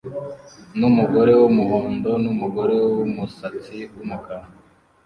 numugore wumuhondo numugore wumusatsi wumukara